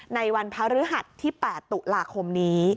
ในวันพระฤหัสที่๘ตุลาคมนี้